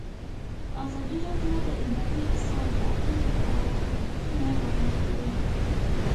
ازادي راډیو د اداري فساد د اغېزو په اړه ریپوټونه راغونډ کړي.